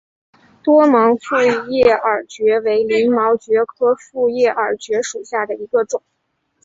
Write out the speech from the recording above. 多芒复叶耳蕨为鳞毛蕨科复叶耳蕨属下的一个种。